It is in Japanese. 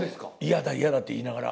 「嫌だ嫌だ」って言いながら。